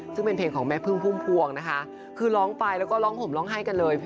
ซึ่งเป็นเพลงของแม่พึ่งพุ่มพวงนะคะคือร้องไปแล้วก็ร้องห่มร้องไห้กันเลย